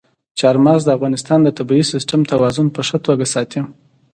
چار مغز د افغانستان د طبعي سیسټم توازن په ښه توګه ساتي.